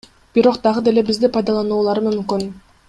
Бирок дагы деле бизди пайдалануулары мүмкүн.